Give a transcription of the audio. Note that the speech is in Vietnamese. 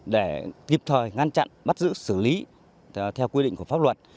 để kịp thời ngăn chặn bắt giữ xử lý theo quy định của pháp luật